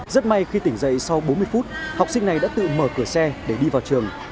rất may khi tỉnh dậy sau bốn mươi phút học sinh này đã tự mở cửa xe để đi vào trường